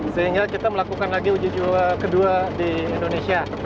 sehingga kita melakukan lagi uji coba kedua di indonesia